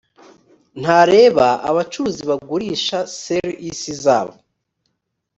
ntareba abacuruzi bagurisha ser isi zabo